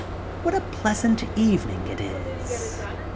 What a pleasant evening it is